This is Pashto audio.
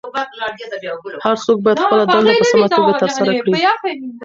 هر څوک باید خپله دنده په سمه توګه ترسره کړي.